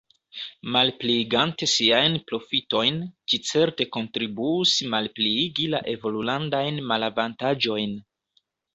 Malpliigante siajn profitojn, ĝi certe kontribuus malpliigi la evolulandajn malavantaĝojn!